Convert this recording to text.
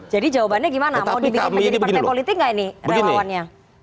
jadi jawabannya gimana mau dibikin menjadi partai politik gak ini relawannya